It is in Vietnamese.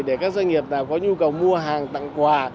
để các doanh nghiệp có nhu cầu mua hàng tặng quà